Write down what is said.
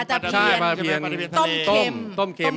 ใช่ปลาจับเพียนต้มเข็ม